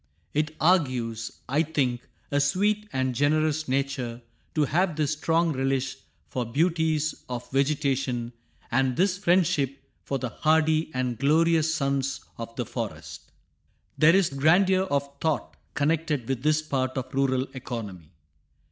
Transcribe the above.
It argues, I think, a sweet and generous nature to have this strong relish for beauties of vegetation, and this friendship for the hardy and glorious sons of the forest. There is a grandeur of thought connected with this part of rural economy.